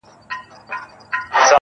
د زهرو تر جام تریخ دی، زورور تر دوزخونو~